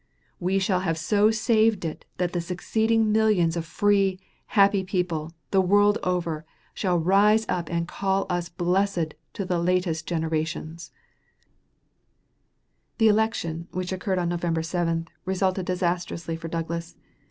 We shall have so saved it that the succeeding millions of free, happy people, the world over, shall rise up and call us blessed to the latest generations. [Sidenote: 1864.] The election which, occurred on November 7 resulted disastrously for Douglas.